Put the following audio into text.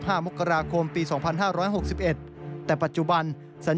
ทำให้เกิดปัชฎพลลั่นธมเหลืองผู้สื่อข่าวไทยรัฐทีวีครับ